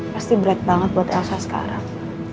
pasti berat banget buat elsa sekarang